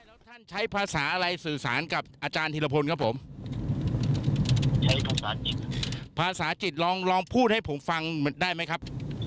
แล้วท่านใช้ภาษาอะไรสื่อสารกับอาจารย์ธีรพลครับผมใช้ภาษาจิตภาษาจิตลองลองพูดให้ผมฟังได้ไหมครับ